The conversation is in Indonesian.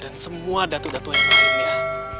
dan semua datuk datuk yang lainnya